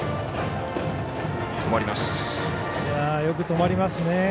よく止まりますね。